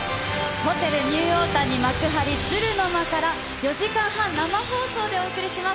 ホテルニューオータニ幕張・鶴の間から、４時間半生放送でお送りします。